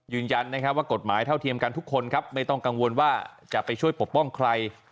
ยืนยันนะครับว่ากฎหมายเท่าเทียมกันทุกคนครับไม่ต้องกังวลว่าจะไปช่วยปกป้องใคร